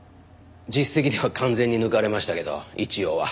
実績では完全に抜かれましたけど一応は。